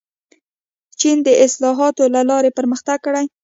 چین د اصلاحاتو له لارې پرمختګ کړی.